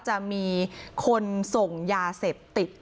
จะมีคนส่งยาเสพติด